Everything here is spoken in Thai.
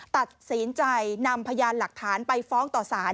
ตัดสินใจนำพยานหลักฐานไปฟ้องต่อสาร